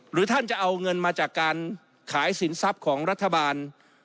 หรือท่านจะเอาเงินมาจากการขายสินทรัพย์ของรัฐบาล